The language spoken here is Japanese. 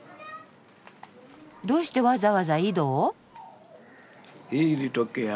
どうしてわざわざ井戸を？